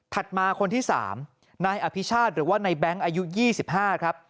มาคนที่๓นายอภิชาติหรือว่าในแบงค์อายุ๒๕ครับ